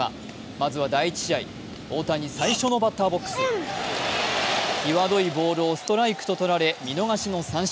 まずは第１試合、大谷、最初のバッターボックス際どいボールをストライクと取られ、見逃しの三振。